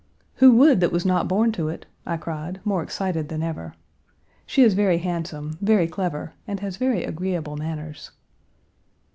"Who would that was not born to it?" I cried, more excited than ever. She is very handsome, very clever, and has very agreeable manners.